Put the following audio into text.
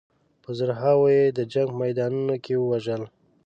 په زرهاوو یې د جنګ په میدانونو کې ووژل.